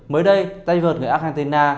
mới đây tay vợt người argentina